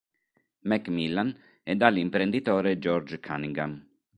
MacMillan e dall’imprenditore George Cunningham.